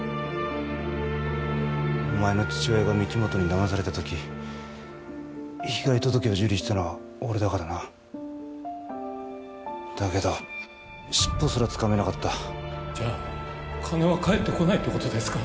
お前の父親が御木本にだまされた時被害届を受理したのは俺だからなだけど尻尾すらつかめなかったじゃあ金は返ってこないってことですか？